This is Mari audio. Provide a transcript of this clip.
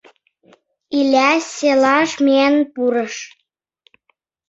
Иля селаш миен пурыш.